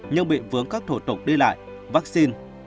nhưng bị vướng các thổ tục đi lại vaccine